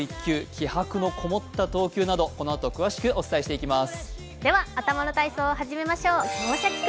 気迫のこもった投球などこのあと詳しくお伝えしていきます。